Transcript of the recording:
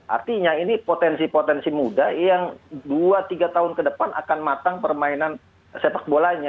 artinya ini potensi potensi muda yang dua tiga tahun ke depan akan matang permainan sepak bolanya